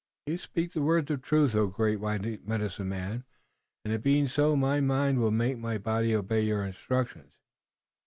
"You speak words of truth, O great white medicine man, and it being so my mind will make my body obey your instructions."